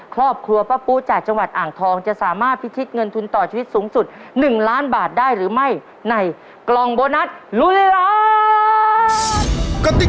ครอบครัวป๊าปูจากจังหวัดอ่างทองจะสามารถพิธิตเงินทุนต่อชีวิตสูงสุด๑ล้านบาทได้หรือไม่